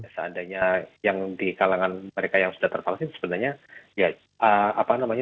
seandainya yang di kalangan mereka yang sudah tervaksin sebenarnya ya apa namanya